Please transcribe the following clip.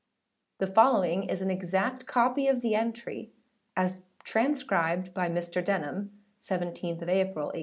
The following is an exact copy of the entry, as transcribed by Mr. Denham, 17th April, 1847.